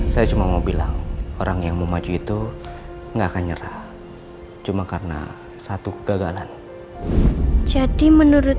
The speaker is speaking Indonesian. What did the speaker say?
saya cuma mau bilang orang yang memacu itu nggak akan nyerah cuma karena satu gagalan jadi menurut